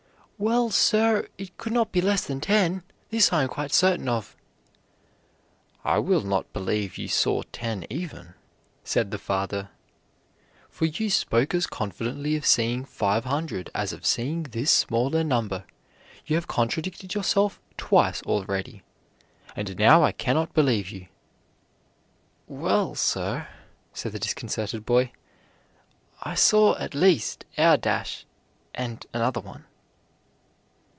"Well, sir, it could not be less than ten: this I am quite certain of." "I will not believe you saw ten even," said the father; "for you spoke as confidently of seeing five hundred as of seeing this smaller number. You have contradicted yourself twice already, and now I cannot believe you." "Well, sir," said the disconcerted boy, "I saw at least our Dash and another one."